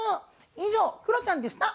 以上クロちゃんでした。